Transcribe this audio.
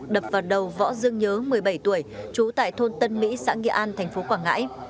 đập vào đầu võ dương nhớ một mươi bảy tuổi trú tại thôn tân mỹ xã nghĩa an tp quảng ngãi